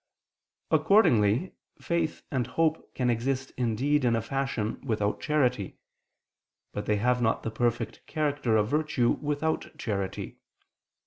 Accordingly faith and hope can exist indeed in a fashion without charity: but they have not the perfect character of virtue without charity.